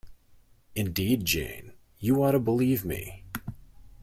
Indeed, Jane, you ought to believe me.